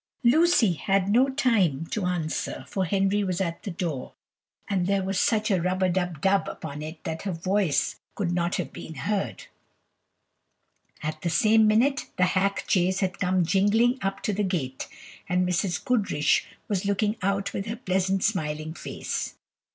Lucy had no time to answer, for Henry was at the door, and there was such a rub a dub dub upon it that her voice could not have been heard. At the same minute the hack chaise had come jingling up to the gate, and Mrs. Goodriche was looking out with her pleasant smiling face.